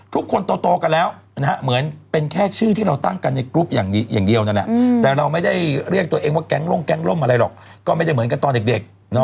ทุกคนโตกันแล้วนะฮะเหมือนเป็นแค่ชื่อที่เราตั้งกันในกรุ๊ปอย่างเดียวนั่นแหละแต่เราไม่ได้เรียกตัวเองว่าแก๊งร่มแก๊งล่มอะไรหรอกก็ไม่ได้เหมือนกันตอนเด็ก